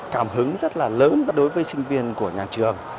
cảm hứng rất là lớn đối với sinh viên của nhà trường